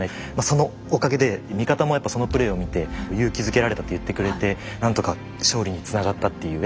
そのおかげで味方もやっぱそのプレイを見て勇気づけられたと言ってくれて何とか勝利につながったっていう。